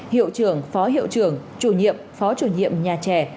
hiệu trưởng phó hiệu trưởng chủ nhiệm phó chủ nhiệm nhà trẻ